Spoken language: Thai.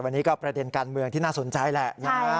วันนี้ก็ประเด็นการเมืองที่น่าสนใจแหละ